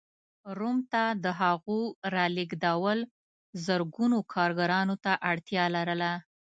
روم ته د هغو رالېږدول زرګونو کارګرانو ته اړتیا لرله.